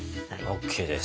ＯＫです。